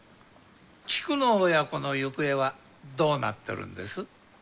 菊乃親子のゆくえはどうなってるんです？